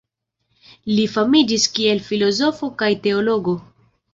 Li famiĝis kiel filozofo kaj teologo.